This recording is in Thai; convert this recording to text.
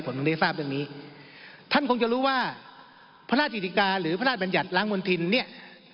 ผมถึงได้ทราบเรื่องนี้ท่านคงจะรู้ว่าพระราชิติกาหรือพระราชบัญญัติล้างมณฑินเนี่ย